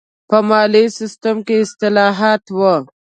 په مالي سیستم کې اصلاحات و.